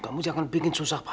kamu jangan bikin susah paya